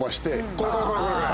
これこれこれこれこれ。